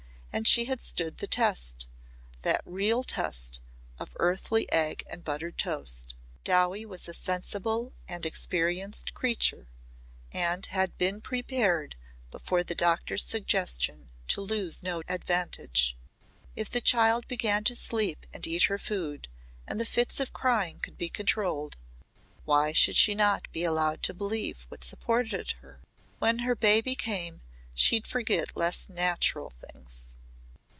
And she had stood the test that real test of earthly egg and buttered toast. Dowie was a sensible and experienced creature and had been prepared before the doctor's suggestion to lose no advantage. If the child began to sleep and eat her food, and the fits of crying could be controlled, why should she not be allowed to believe what supported her? When her baby came she'd forget less natural things.